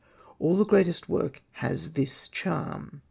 All the greatest work has this charm.